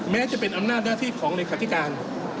แม้จะเป็นอำนาจหน้าที่ของเลขาธิการ